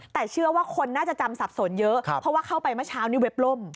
แต่เชื่อว่าคนน่าจะจำสับสนเยอะเพราะว่าเข้าไปเมื่อเช้านี้เว็บล่ม